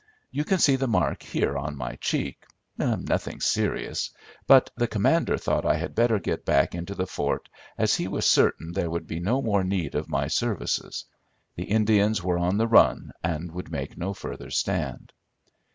You can see the mark here on my cheek, nothing serious; but the commander thought I had better get back into the fort, as he was certain there would be no more need of my services. The Indians were on the run, and would make no further stand.